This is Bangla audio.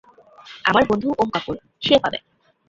আমার বন্ধু ওম কাপুর, সেই পাবে।